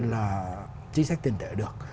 là chính sách tiền tệ được